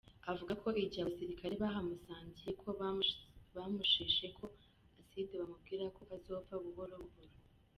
Avuga ko igihe abasirikare bahamusangiye ko bamushesheko "acide" bamubwira ko azopfa buhorobuhoro.